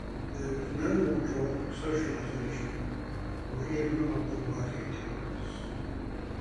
There was no more talk of socialisation or even of the working class.